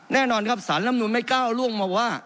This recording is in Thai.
แน่นอนครับสารลำนูนไม่ก้าวล่วงมาว่า